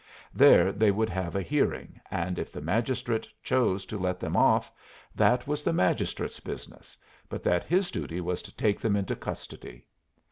There they would have a hearing, and if the magistrate chose to let them off, that was the magistrate's business, but that his duty was to take them into custody.